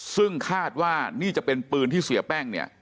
ซึ่งคาดว่านี่จะเป็นปืนที่เสียแป้งเนี่ย